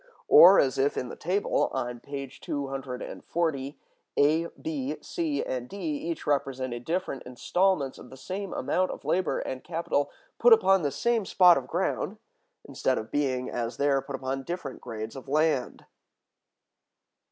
Or, as if in the table on page 240, A, B, C, and D each represented different installments of the same amount of labor and capital put upon the same spot of ground, instead of being, as there, put upon different grades of land.